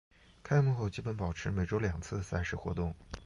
开幕后基本保持每周两次赛事活动。